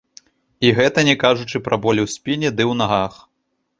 І гэта не кажучы пра болі ў спіне ды ў нагах.